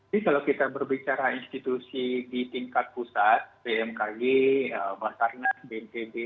jadi kalau kita berbicara institusi di tingkat pusat bmkg basarnas bnpb